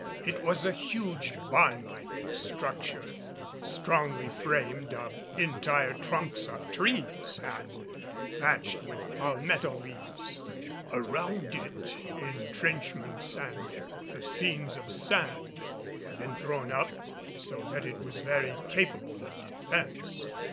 It was a huge barn like structure, strongly framed of entire trunks of trees and thatched with palmetto leaves. Around it, entrenchments and fascines of sand had been thrown up so that it was very capable of defense.